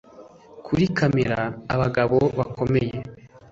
kuri kamera, abagabo bakomeye